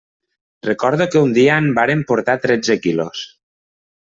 Recordo que un dia en vàrem portar tretze quilos.